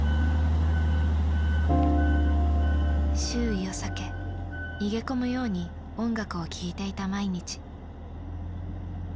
周囲を避け逃げ込むように音楽を聴いていた毎日。